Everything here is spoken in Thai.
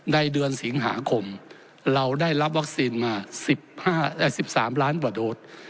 เดือนสิงหาคมเราได้รับวัคซีนมา๑๓ล้านกว่าโดส